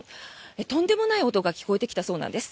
とんでもない音が聞こえてきたそうなんです。